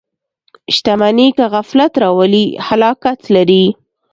• شتمني که غفلت راولي، هلاکت لري.